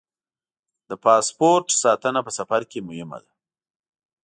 د پاسپورټ ساتنه په سفر کې مهمه ده.